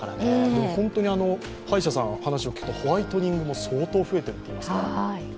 でもホントに歯医者さんに話を聞くとホワイトニングも相当増えているということですから。